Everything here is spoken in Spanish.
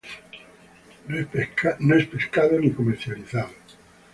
No es pescado ni comercializado.